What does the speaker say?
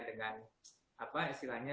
dengan apa istilahnya